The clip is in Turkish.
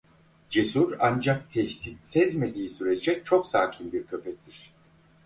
Cesur ancak tehdit sezmediği sürece çok sakin bir köpektir.